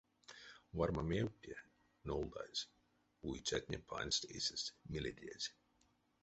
Вармамевтне нолдазь, уицятне пансть эйсэст миледезь.